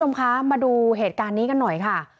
คุณผู้ชมคะมาดูเหตุการณ์นี้กันหน่อยค่ะ